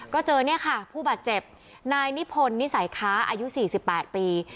ก็เจอเนี่ยค่ะผู้บาดเจ็บนายนิพนธ์นิสัยค้าอายุ๔๘ปี